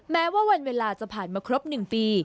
แม้ว่าวันเวลาจะผ่านมาครบ๑ปี